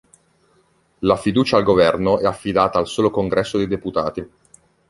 La fiducia al governo è affidata al solo Congresso dei deputati.